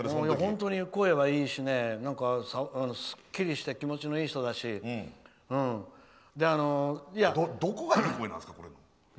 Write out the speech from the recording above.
本当に声がいいしすっきりして気持ちがいいしどこがいい声なんですか？